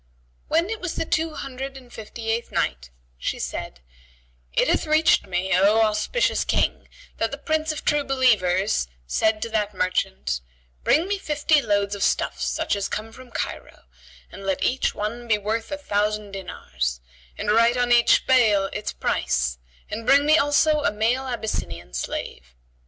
When it was the Two Hundred and Fifty eighth Night, She said, It hath reached me, O auspicious King, that the Prince of True Believers said to that merchant, "Bring me fifty loads of stuffs such as come from Cairo, and let each one be worth a thousand dinars, and write on each bale its price; and bring me also a male Abyssinian slave."